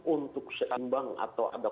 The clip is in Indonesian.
untuk seimbang atau ada